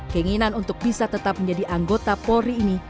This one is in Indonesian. keinginan untuk bisa tetap menjadi anggota polri ini